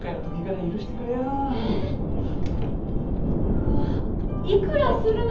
うわいくらするの？